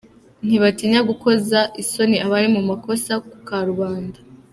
Ntibatinya gukoza isoni abari mu makosa ku karubanda.